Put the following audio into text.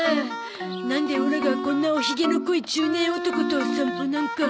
なんでオラがこんなおヒゲの濃い中年男と散歩なんか。